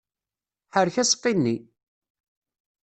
Ḥerrek aseqqi-nni!